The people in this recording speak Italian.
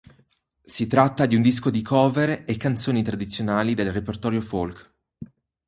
Si tratta di un disco di cover e canzoni tradizionali del repertorio folk.